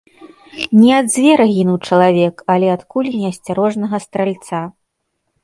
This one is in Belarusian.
Не ад звера гінуў чалавек, але ад кулі неасцярожнага стральца.